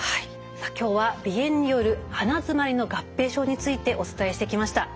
今日は鼻炎による鼻づまりの合併症についてお伝えしてきました。